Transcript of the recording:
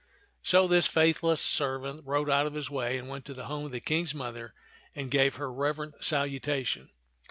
So this faithless servant rode out of his way and went to the home of the King's mother and gave her reverent salutation.